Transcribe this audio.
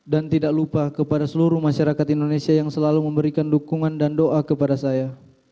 dan tidak lupa kepada seluruh masyarakat indonesia yang selalu memberikan dukungan dan doa kepada saya